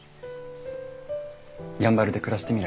やんばるで暮らしてみない？